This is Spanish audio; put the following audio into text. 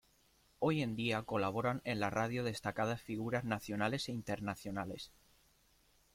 Hoy en día colaboran en la radio destacadas figuras nacionales e internacionales.